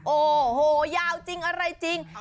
โอ้โหยาวจริงอะไรจริง